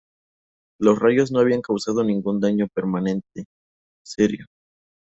Los rayos no habían causado ningún daño permanente serio.